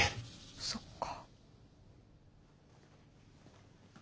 そっか。